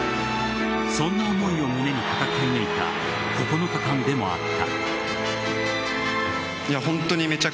そんな思いを胸に戦い抜いた９日間でもあった。